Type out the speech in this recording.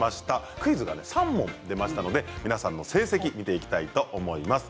クイズが３問出ましたので皆さんの成績見ていきたいと思います。